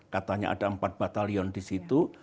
katanya ada empat batalion di situ